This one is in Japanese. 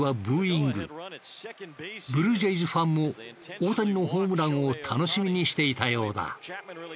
ブルージェイズファンも大谷のホームランを楽しみにしていたようだ。